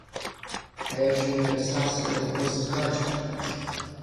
Pietro Metastasio was his godchild.